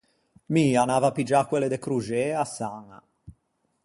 Mi anava à piggiâ quelle de croxee à Saña.